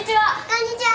こんにちは。